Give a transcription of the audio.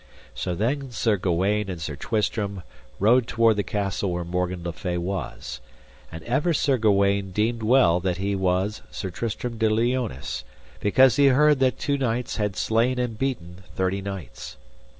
So then Sir Gawaine and Sir Tristram rode toward the castle where Morgan le Fay was, and ever Sir Gawaine deemed well that he was Sir Tristram de Liones, because he heard that two knights had slain and beaten thirty knights.